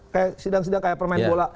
kayak sidang sidang kayak permain bola